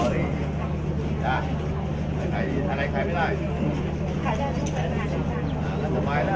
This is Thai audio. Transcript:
เมืองอัศวินธรรมดาคือสถานที่สุดท้ายของเมืองอัศวินธรรมดา